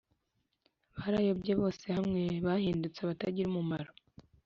barayobye bose hamwe bahindutse abatagira umumaro